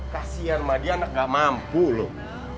kasian sama dia anak gak mampu loh